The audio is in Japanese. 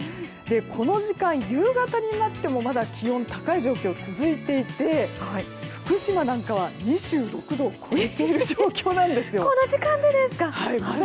この時間、夕方になってもまだ、気温が高い状況が続いていて福島は２６度を超えている状況なんです。